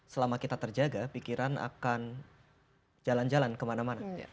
selama kita terjaga pikiran akan jalan jalan kemana mana